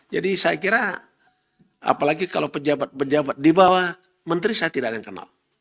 jadi saya kira apalagi kalau pejabat pejabat di bawah menteri saya tidak akan kenal